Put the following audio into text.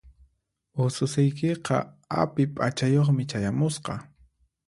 Ususiykiqa api p'achayuqmi chayamusqa.